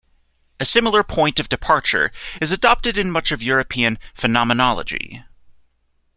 A similar point of departure is adopted in much of European phenomenology.